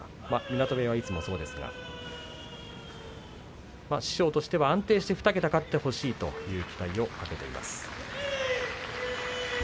湊部屋はいつもそうですけれど師匠としては安定して２桁勝ってほしいという話をしていました。